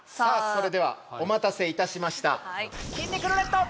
それではお待たせいたしました